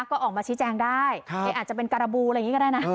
ก็ออกมาชี้แจงได้อาจจะเป็นการบูอะไรอย่างนี้ก็ได้นะ